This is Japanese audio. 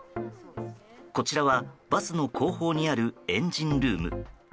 こちらはバスの後方にあるエンジンルーム。